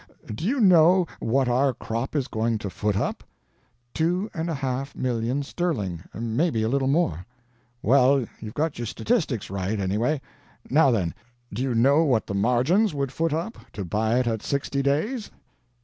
Do you know what our crop is going to foot up?" "Two and a half million sterling maybe a little more." "Well, you've got your statistics right, any way. Now, then, do you know what the margins would foot up, to buy it at sixty days?"